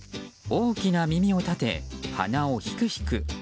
大きな耳を立て、鼻をひくひく。